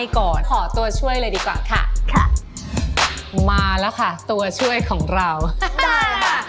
ก็เลยดีกว่าค่ะค่ะมาแล้วค่ะตัวช่วยของเราได้ค่ะ